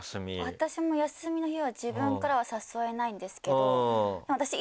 私も休みの日は自分からは誘えないんですけど。